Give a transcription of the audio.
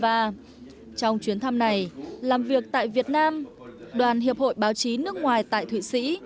trong chuyến thăm này làm việc tại việt nam đoàn hiệp hội báo chí nước ngoài tại thụy sĩ